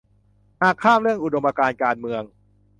หากข้ามเรื่องอุดมการณ์การเมือง